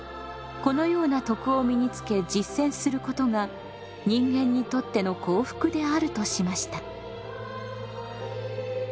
このような徳を身につけ実践することが人間にとっての幸福であるとしました。